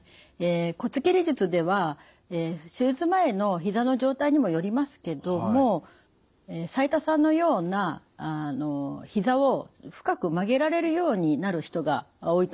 骨切り術では手術前のひざの状態にもよりますけども齋藤さんのようなひざを深く曲げられるようになる人が多いと思います。